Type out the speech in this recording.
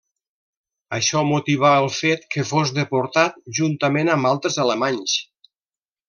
Això motivà el fet que fos deportat, juntament amb altres alemanys.